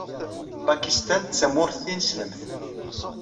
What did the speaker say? Pakistan d tamurt tineslemt.